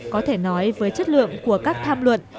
có thể nói với chất lượng của các tham luận